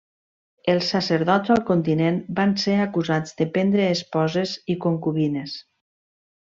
Els sacerdots al continent van ser acusats de prendre esposes i concubines.